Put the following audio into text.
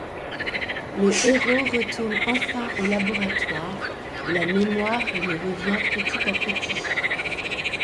Le héros retourne enfin au laboratoire où la mémoire lui revient petit à petit.